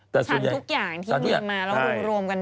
ฉันทุกอย่างที่มีมาเรารู้โรมกันด้วย